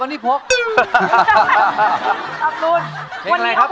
วันนี้เตรียมตัวมามั่นใจมากครับ